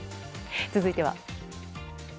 続いては。